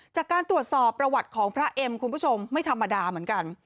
จากการตรวจสอบประวัติของพระเอ็มคุณผู้ชมไม่ธรรมดาเหมือนกัน